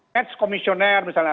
match komisioner misalnya